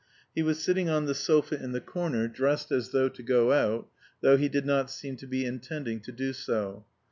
He was sitting on the sofa in the corner, dressed as though to go out, though he did not seem to be intending to do so.